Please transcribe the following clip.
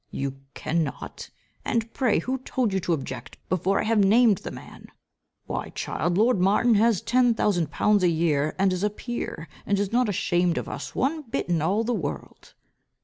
"You cannot. And pray who told you to object, before I have named the man. Why, child, lord Martin has ten thousand pounds a year, and is a peer, and is not ashamed of us one bit in all the world."